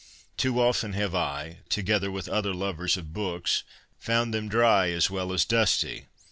Too often have I, together with other lovers of books, found them dry, as well as dusty.